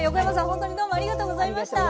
ほんとにどうもありがとうございました！